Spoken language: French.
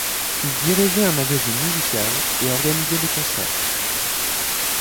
Il dirigeait un magazine musical et organisait des concerts.